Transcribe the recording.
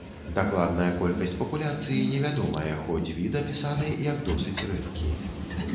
Дакладная колькасць папуляцыі не вядомая, хоць від апісаны, як досыць рэдкі.